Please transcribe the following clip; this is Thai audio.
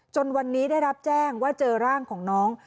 วันนี้ได้รับแจ้งว่าเจอร่างของน้อง